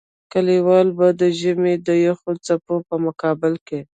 کلیوالو به د ژمي د يخو څپو په مقابل کې.